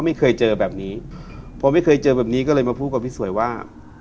มาพูดกับพี่สวยว่า